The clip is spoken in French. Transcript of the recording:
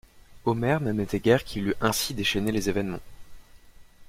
Omer n'admettait guère qu'il eût ainsi déchaîné les événements.